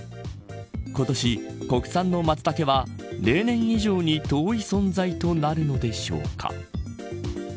今年、国産のマツタケは例年以上に遠い存在となるのでしょうか。